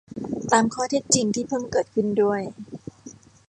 ตามข้อเท็จจริงที่เพิ่งเกิดขึ้นด้วย